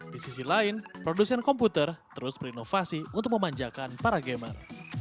di sisi lain produsen komputer terus berinovasi untuk memanjakan para gamer